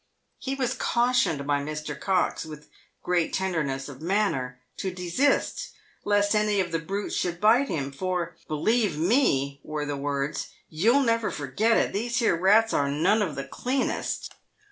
He was cautioned by Mr. Cox, with great tenderness of manner, to desist, lest any of the brutes should bite him, for, " Believe me," were the words, " you'll never forget it ; these here rats are none of the cleanest."